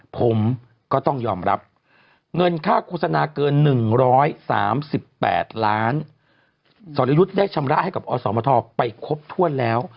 ผมก็ต้องยอมรับเงินค่าโฆษณาเกิน๑๓๘ล้านสรยุทธ์ได้ชำระให้กับอสมทไปครบถ้วนแล้ว